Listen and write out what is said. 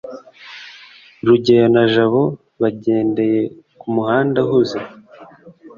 rugeyo na jabo bagendeye kumuhanda uhuze